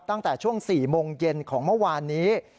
ตั้งแต่ช่วง๔โมงเย็นของเมื่อวานนี้